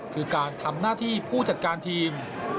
คือการทำหน้าที่ผู้จัดการทีม